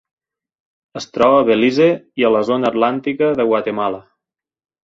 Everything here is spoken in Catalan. Es troba a Belize i a la zona atlàntica de Guatemala.